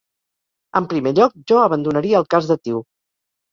En primer lloc, jo abandonaria el cas Datiu.